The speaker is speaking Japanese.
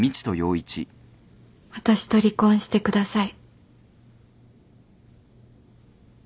私と離婚してください。